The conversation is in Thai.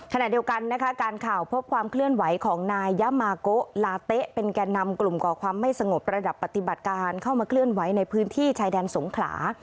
ขณะเดียวกันนะคะการข่าวพบความเคลื่อนไหวของนายยะมาโกลาเต๊ะเป็นแก่นำกลุ่มก่อความไม่สงบระดับปฏิบัติการเข้ามาเคลื่อนไหวในพื้นที่ชายแดนสงขลา